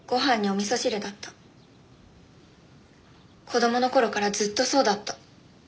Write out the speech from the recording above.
子供の頃からずっとそうだった。